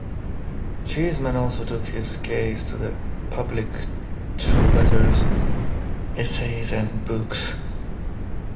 Chessman also took his case to the public through letters, essays and books.